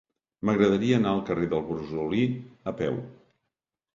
M'agradaria anar al carrer del Brosolí a peu.